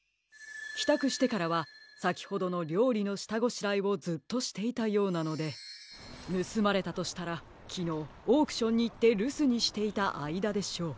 きたくしてからはさきほどのりょうりのしたごしらえをずっとしていたようなのでぬすまれたとしたらきのうオークションにいってるすにしていたあいだでしょう。